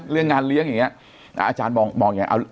เรื่องงานเลี้ยงอย่างนี้อาจารย์มองยังไง